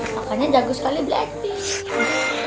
makanya jago sekali black pink